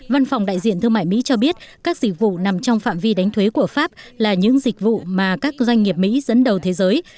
văn phòng đại diện thương mại mỹ cho biết các dịch vụ nằm trong phạm vi đánh thuế của pháp là những dịch vụ mà các doanh nghiệp mỹ dẫn đầu thế giới